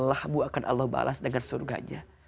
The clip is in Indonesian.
lelahmu akan allah balas dengan surganya